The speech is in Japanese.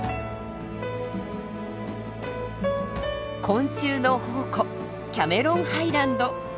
昆虫の宝庫キャメロンハイランド。